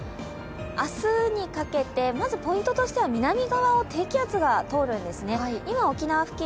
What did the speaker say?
明日にかけて、ポイントとしては南側を低気圧が通るんですね。